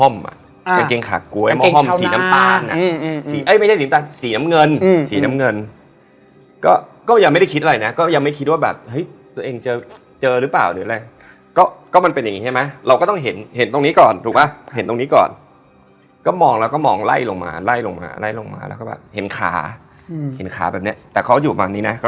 มีเสียงแล้วเราได้คำตอบ